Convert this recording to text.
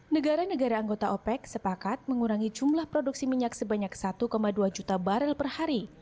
negara negara anggota opec sepakat mengurangi jumlah produksi minyak sebanyak satu dua juta barrel per hari